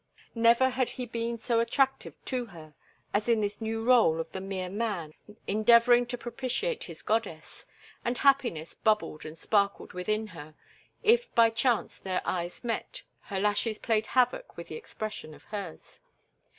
Never had he been so attractive to her as in this new rôle of the mere man endeavoring to propitiate his goddess, and happiness bubbled and sparkled within her; if by chance their eyes met her lashes played havoc with the expression of hers.